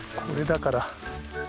これだから。